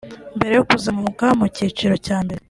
mbere yo kuzamuka mu cyiciro cya mbere